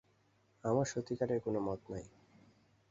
আমার সত্যিকার কোনো মত নেই।